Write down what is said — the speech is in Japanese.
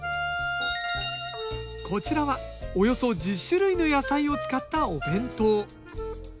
こちらはおよそ１０種類の野菜を使ったお弁当。